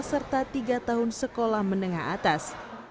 serta tiga tahun sekolah menengah atas